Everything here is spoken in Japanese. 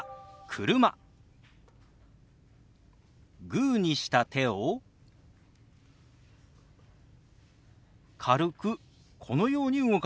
グーにした手を軽くこのように動かします。